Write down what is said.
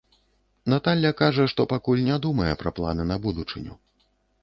Наталля кажа, што пакуль не думае пра планы на будучыню.